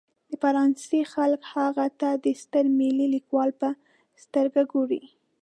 د فرانسې خلک هغه ته د ستر ملي لیکوال په سترګه ګوري.